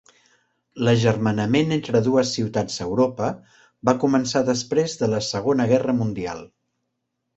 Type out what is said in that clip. L'agermanament entre dues ciutats a Europa va començar després de la Segona Guerra Mundial.